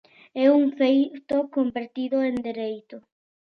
É un feito convertido en dereito.